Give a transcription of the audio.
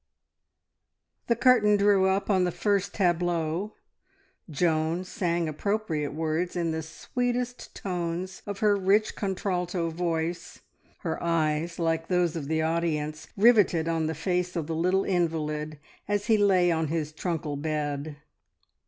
The curtain drew up on the first tableau. Joan sang appropriate words in the sweetest tones of her rich contralto voice, her eyes, like those of the audience, riveted on the face of the little invalid as he lay on his truckle bed.